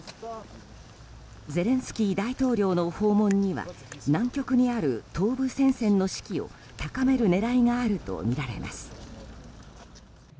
ゼレンスキー大統領の訪問には難局にある東部戦線の指揮を高める狙いがあるとみられます。